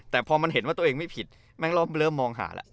แต่พอมันเห็นว่าตัวเองไม่ผิดแม่งรอบเริ่มมองหาแล้ว